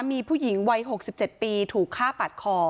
มีผู้หญิงวัย๖๗ปีถูกฆ่าปาดคอ